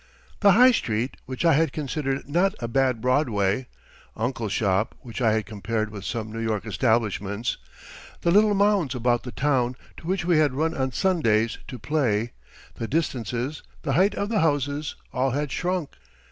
The High Street, which I had considered not a bad Broadway, uncle's shop, which I had compared with some New York establishments, the little mounds about the town, to which we had run on Sundays to play, the distances, the height of the houses, all had shrunk.